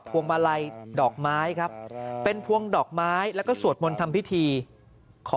วงมาลัยดอกไม้ครับเป็นพวงดอกไม้แล้วก็สวดมนต์ทำพิธีขอ